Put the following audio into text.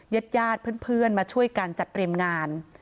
เย็ดเพื่อนมาช่วยการจัดเตรียมงาน